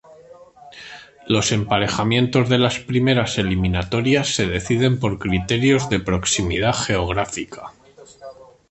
Los emparejamientos de las primeras eliminatorias se deciden por criterios de proximidad geográfica.